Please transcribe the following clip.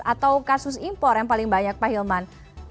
atau kasus impor yang paling banyak pak hilman